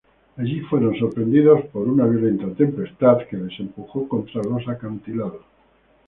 Allí fueron sorprendidos por una violenta tempestad, que les empujó contra los acantilados.